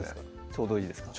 ちょうどいいですか？